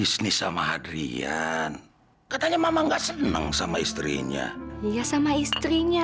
sampai jumpa di video selanjutnya